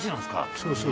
そうそう。